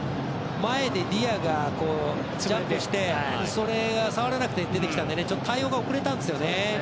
前でディアがトラップしてそれが触れなくて出てきたのでちょっと遅れたんですよね。